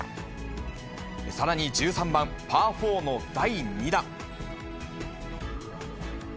さらに１３番、パー４の第２打。